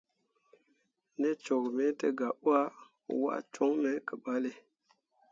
Ne cok me te gah wah, waa coŋ me ke balle.